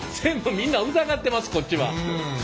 みんな疑ってますこっちは。